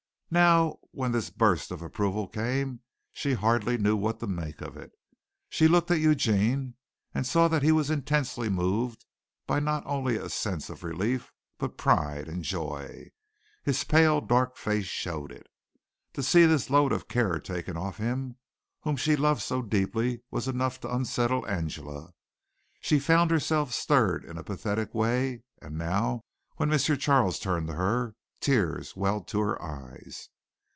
Now, when this burst of approval came, she hardly knew what to make of it. She looked at Eugene and saw that he was intensely moved by not only a sense of relief, but pride and joy. His pale, dark face showed it. To see this load of care taken off him whom she loved so deeply was enough to unsettle Angela. She found herself stirred in a pathetic way and now, when M. Charles turned to her, tears welled to her eyes.